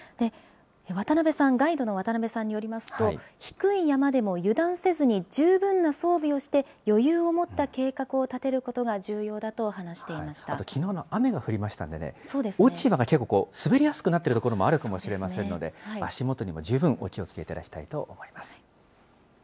渡辺さん、ガイドの渡辺さんによりますと、低い山でも油断せずに十分な装備をして、余裕を持った計画を立てることが重要だと話しちょっときのう、雨が降りましたんでね、落ち葉が結構、滑りやすくなっている所もあるかもしれませんので、足元にも十分お気をつけいただきたいと思います。